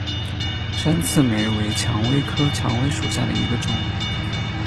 山刺玫为蔷薇科蔷薇属下的一个种。